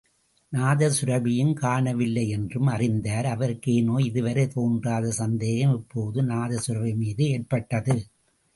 நாதசுரபியையும் காணவில்லை என்றும் அறிந்தார்.அவருக்கு ஏனோ இதுவரை தோன்றாத சந்தேகம் இப்போது நாதசுரபி மீது ஏற்பட்டது.